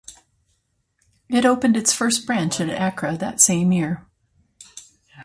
It opened its first branch in Accra that same year.